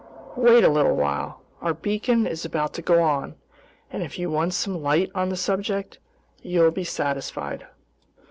"Wait a little while. Our beacon is about to go on, and if you want some light on the subject, you'll be satisfied."